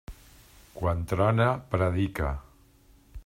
Quan trona, predica.